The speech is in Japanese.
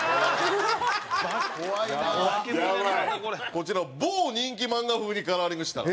こちら某人気漫画風にカラーリングしたら。